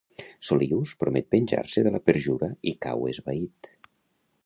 Solius promet venjar-se de la perjura i cau esvaït.